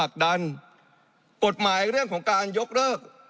ก็เป็นกฎหมายเรื่องนี้